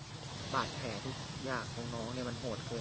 บาดแผลทุกอย่างของน้องมันโหดเกิน